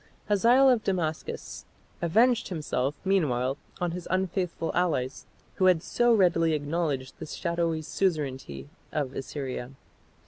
Hazael of Damascus avenged himself meanwhile on his unfaithful allies who had so readily acknowledged the shadowy suzerainty of Assyria.